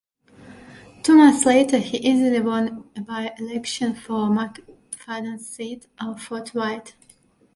Two months later, he easily won a by-election for McFadyen's seat of Fort Whyte.